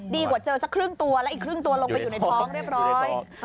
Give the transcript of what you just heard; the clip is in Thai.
กว่าเจอสักครึ่งตัวแล้วอีกครึ่งตัวลงไปอยู่ในท้องเรียบร้อย